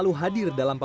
ketika di kota kota